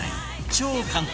超簡単！